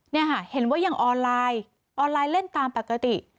เนี่ยค่ะเห็นว่ายังออนไลน์ออนไลน์เล่นตามปกติ